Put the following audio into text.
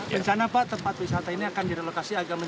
ya semuanya hati hati dan bersepadan